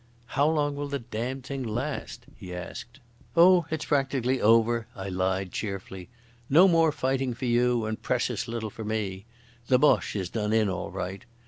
"How long will the damned thing last?" he asked. "Oh, it's practically over," I lied cheerfully. "No more fighting for you and precious little for me. The Boche is done in all right....